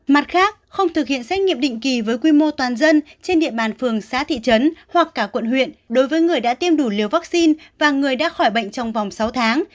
mặt khác không thực hiện xét nghiệm định kỳ với quy mô toàn dân trên địa bàn phường xã thị trấn hoặc cả quận huyện đối với người đã tiêm đủ liều vaccine và người đã khỏi bệnh trong vòng sáu tháng